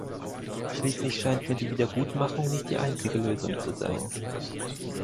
Schließlich scheint mir die Wiedergutmachung nicht die einzige Lösung zu sein.